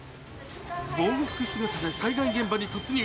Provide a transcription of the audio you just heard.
防護服姿で災害現場に突入。